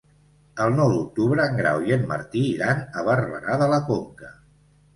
El nou d'octubre en Grau i en Martí iran a Barberà de la Conca.